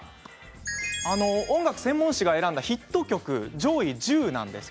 音楽専門誌が選んだヒット曲上位１０位です。